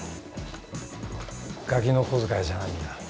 ガキの小遣いじゃないんだ。